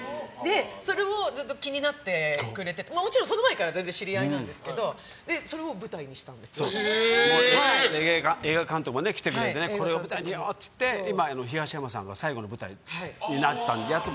それをずっと気になってくれててもちろんその前から全然知り合いなんですけど映画監督も来てくれてこれを舞台にって言って今、東山さんが最後の舞台になったので。